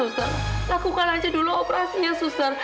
cepat operasi dokter